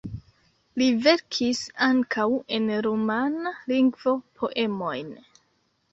Li verkis ankaŭ en rumana lingvo poemojn.